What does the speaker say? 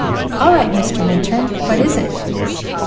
"All right, Mr. Minturn, what is it?"